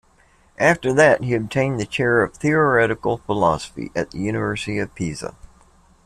After that, he obtained the chair of theoretical philosophy at the University of Pisa.